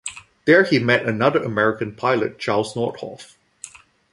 There he met another American pilot, Charles Nordhoff.